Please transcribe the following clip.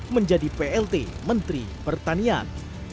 menjadi plt menteri pertanian